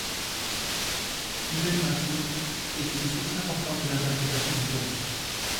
Ibn Masûd est une source importante d'interprétation du Coran.